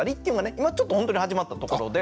今ちょっとほんとに始まったところで。